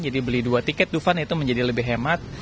jadi beli dua tiket double fund itu menjadi lebih hemat